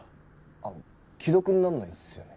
あの既読にならないんですよね。